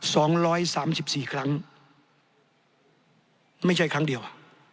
สองร้อยสามสิบสี่ครั้งไม่ใช่ครั้งเดียวอ่ะ